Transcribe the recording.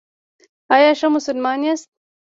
ایا ښه مسلمان یاست؟